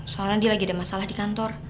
soalnya dia lagi ada masalah di kantor